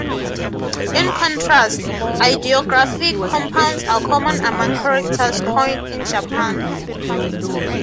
In contrast, ideographic compounds are common among characters coined in Japan.